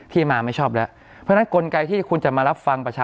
ที่มาไม่ชอบแล้วเพราะฉะนั้นกลไกที่คุณจะมารับฟังประชาชน